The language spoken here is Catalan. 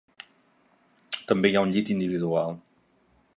També hi ha un llit individual.